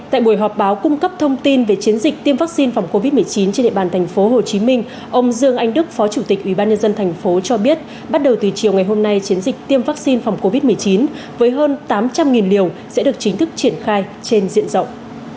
trong thông tin về chiến dịch tiêm vaccine phòng covid một mươi chín trên địa bàn thành phố hồ chí minh ông dương anh đức phó chủ tịch ủy ban nhân dân thành phố cho biết bắt đầu từ chiều ngày hôm nay chiến dịch tiêm vaccine phòng covid một mươi chín với hơn tám trăm linh liều sẽ được chính thức triển khai trên diện rộng